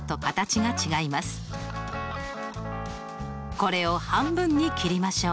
これを半分に切りましょう。